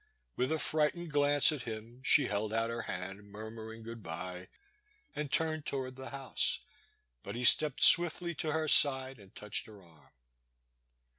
With a frightened glance at him she held out her hand, murmuring good bye, and turned toward the house, but he stepped swiftly to her side and touched her arm.